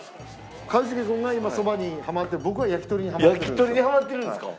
一茂君が今そばにハマって僕は焼き鳥にハマってるんですよ。